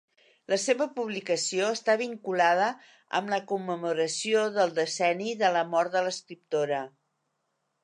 La seva publicació està vinculada amb la commemoració del decenni de la mort de l'escriptora.